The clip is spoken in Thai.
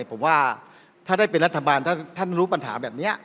ผมว่าถ้าได้เป็นรัฐบาลถ้าท่านรู้ปัญหาแบบนี้